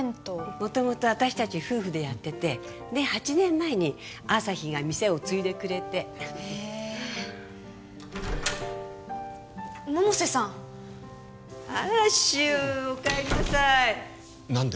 元々私達夫婦でやっててで８年前に旭が店を継いでくれてへえ百瀬さんあら柊お帰りなさい何で！？